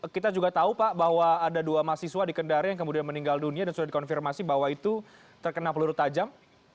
kita juga tahu pak bahwa ada dua mahasiswa di kendari yang kemudian meninggal dunia dan sudah dikonfirmasi bahwa itu terkena peluru tajam